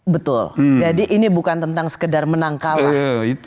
betul jadi ini bukan tentang sekedar menang kalah